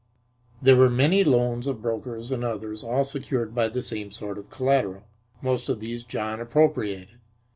There were many loans of brokers and others all secured by the same sort of collateral. Most of these John appropriated.